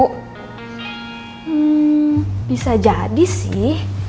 hmmm bisa jadi sih